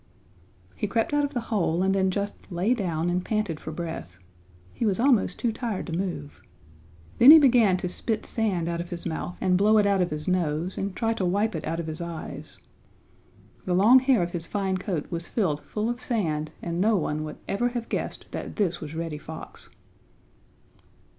He crept out of the hole and then just lay down and panted for breath. He was almost too tired to move. Then he began to spit sand out of his mouth and blow it out of his nose and try to wipe it out of his eyes. The long hair of his fine coat was filled full of sand and no one would ever have guessed that this was Reddy Fox.